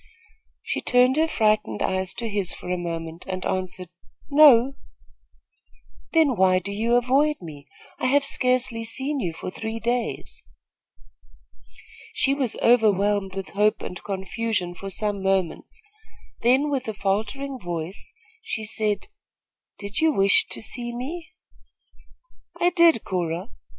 She turned her frightened eyes to his for a moment and answered: "No." "Then why do you avoid me? I have scarcely seen you for three days." She was overwhelmed with hope and confusion for some moments; then, with a faltering voice, she asked: "Did you wish to see me?" "I did, Cora.